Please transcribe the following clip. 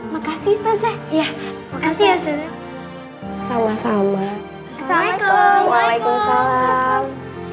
makasih ya sama sama assalamualaikum waalaikumsalam